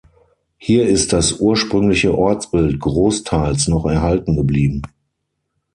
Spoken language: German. Hier ist das ursprüngliche Ortsbild großteils noch erhalten geblieben.